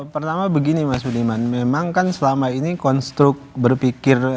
pertama begini mas budiman memang kan selama ini konstruk berpikir